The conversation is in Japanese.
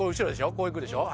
こういくでしょ。